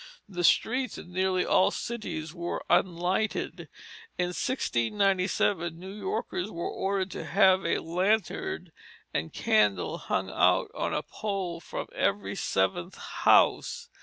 The streets in nearly all cities were unlighted. In 1697 New Yorkers were ordered to have a lantern and candle hung out on a pole from every seventh house.